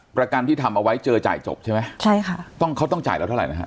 ประกันที่ทำเอาไว้เจอจ่ายจบใช่ไหมใช่ค่ะต้องเขาต้องจ่ายเราเท่าไหรนะฮะ